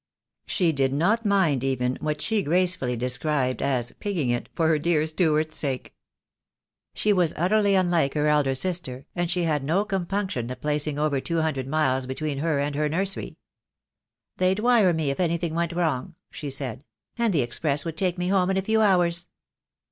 She did not mind even what she gracefully described as "pigging it," for her dear Stuart's sake. She was utterly unlike her elder sister, and she had no compunction at placing over two hundred miles between her and her nursery. "They'd wire for me if anything went wrong," she said, "and the express would take me home in a few hours."